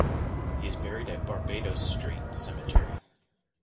He is buried at Barbadoes Street Cemetery.